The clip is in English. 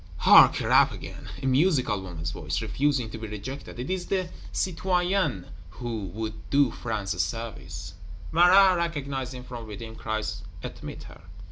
Hark, a rap again! A musical woman's voice, refusing to be rejected: it is the Citoyenne who would do France a service. Marat, recognizing from within, cries, Admit her.